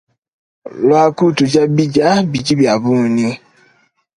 Luaku tudia bidia bidi biabunyi.